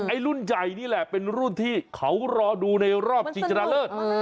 ไอ้รุ่นใหญ่นี่แหละเป็นรุ่นที่เขารอดูในรอบจริงเลย